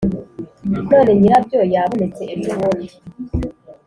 none nyirabwo yabonetse ejo bundi